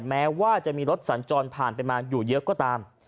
แม้ว่าจะมีรถสัญจรผ่านไปมาอยู่เยอะก็ตาม